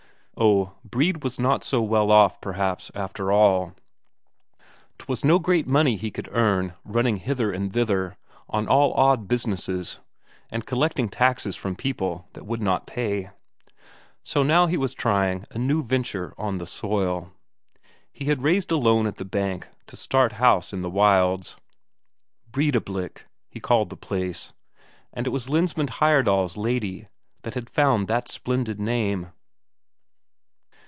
Oh, Brede was not so well off, perhaps, after all; 'twas no great money he could earn running hither and thither on all odd businesses, and collecting taxes from people that would not pay. So now he was trying a new venture on the soil. He had raised a loan at the bank to start house in the wilds. Breidablik, he called the place; and it was Lensmand Heyerdahl's lady that had found that splendid name.